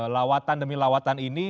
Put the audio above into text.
lawatan demi lawatan ini